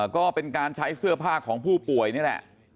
ก็เป็นการใช้เสื้อผ้าของผู้ป่วยนี่แหละ